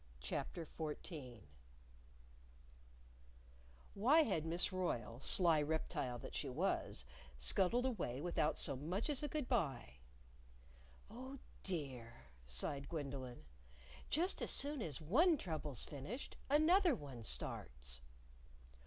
CHAPTER XIV Why had Miss Royle, sly reptile that she was, scuttled away without so much as a good by? "Oh, dear!" sighed Gwendolyn; "just as soon as one trouble's finished, another one starts!"